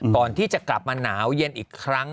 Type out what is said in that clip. ก่อนที่จะกลับมาหนาวเย็นอีกครั้ง